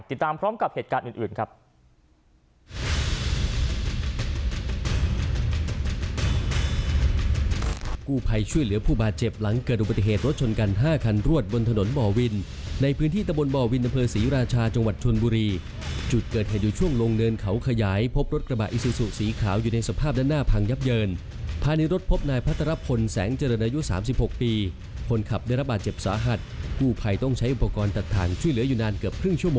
ติดตามพร้อมกับเหตุการณ์อื่นครับ